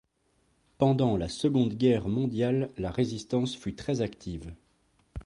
Pendant la Seconde Guerre mondiale, la résistance fut très active.